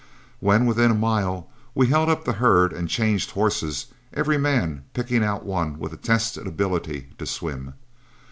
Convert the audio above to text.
When within a mile, we held up the herd and changed horses, every man picking out one with a tested ability to swim.